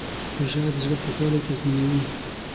روژه د زړه پاکوالی تضمینوي.